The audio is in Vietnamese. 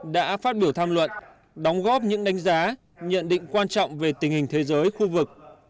đã phát biểu tham luận đóng góp những đánh giá nhận định quan trọng về tình hình thế giới khu vực